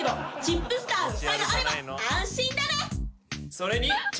それに。